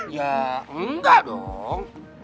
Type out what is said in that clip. ya enggak dong